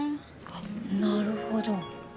なるほど。